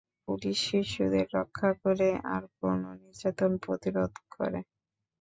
Police শিশুদের "রক্ষা" করে, আর কোন নির্যাতন প্রতিরোধ করে।